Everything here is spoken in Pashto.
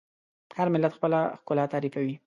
هر ملت خپله ښکلا تعریفوي.